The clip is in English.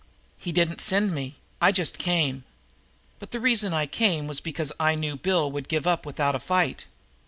"He didn't send me I just came. But the reason I came was because I knew Bill would give up without a fight."